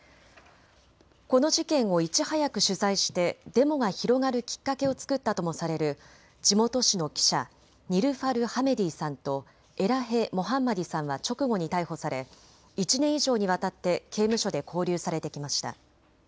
この事件をいち早く取材してデモが広がるきっかけを作ったともされる地元紙の記者、ニルファル・ハメディさんとエラへ・モハンマディさんは直後に逮捕され１年以上にわたって刑務所で勾留されてきました。